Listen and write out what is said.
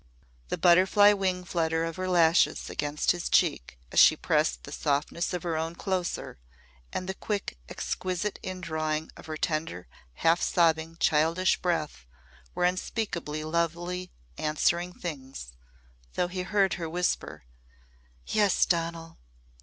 The butterfly wing flutter of her lashes against his cheek as she pressed the softness of her own closer, and the quick exquisite indrawing of her tender, half sobbing childish breath were unspeakably lovely answering things though he heard her whisper. "Yes, Donal!